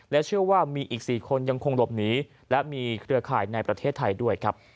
เชื่อว่ามีอีก๔คนยังคงหลบหนีและมีเครือข่ายในประเทศไทยด้วยครับ